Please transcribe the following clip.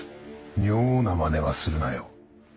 妙なまねはするなよ。